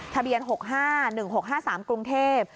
ทะเบียน๖๕๑๖๕๓กรุงเทพฯ